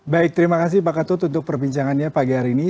baik terima kasih pak katut untuk perbincangannya pagi hari ini